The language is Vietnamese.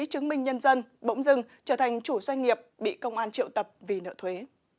chứng minh nhân dân bỗng dừng trở thành chủ doanh nghiệp bị công an triệu tập vì nợ thuế